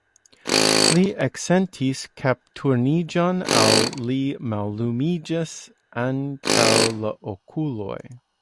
Li eksentis kapturniĝon, al li mallumiĝis antaŭ la okuloj.